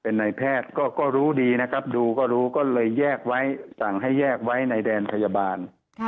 ในแพทย์ก็รู้ดีนะครับดูก็รู้ก็เลยแยกไว้สั่งให้แยกไว้ในแดนพยาบาล